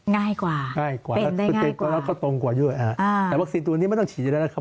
ง่ายกว่าเป็นได้ง่ายกว่าอ่าแต่วัคซีนตัวนี้ไม่ต้องฉีดเลยครับ